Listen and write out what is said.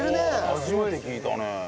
初めて聞いたね。